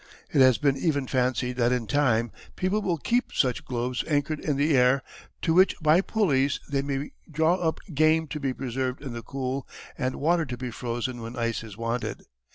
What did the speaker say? It has been even fancied that in time People will keep such Globes anchored in the Air to which by Pullies they may draw up Game to be preserved in the Cool and Water to be frozen when Ice is wanted.